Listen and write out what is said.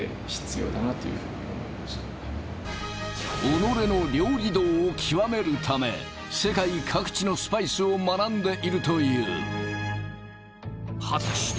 己の料理道を極めるため世界各地のスパイスを学んでいるという果たして